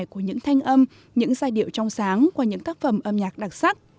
của những thanh âm những giai điệu trong sáng qua những tác phẩm âm nhạc đặc sắc